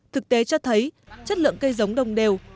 thực tế cho thấy chất lượng cây giống đồng đều